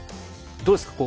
どうですか？